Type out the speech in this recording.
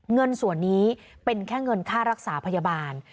เงินส่วนนี้เป็นแค่เงินค่ารักษาพยาบาล